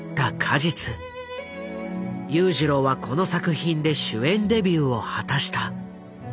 裕次郎はこの作品で主演デビューを果たした。